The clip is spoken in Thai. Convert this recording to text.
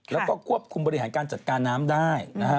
แล้วก็ควบคุมบริหารการจัดการน้ำได้นะฮะ